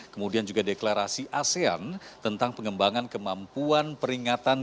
kemudian juga deklarasi asean tentang pengembangan kemampuan peringatan